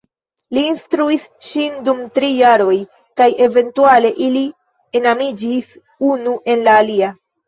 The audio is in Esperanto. Li instruis ŝin dum tri jaroj kaj eventuale ili enamiĝis unu en la alia.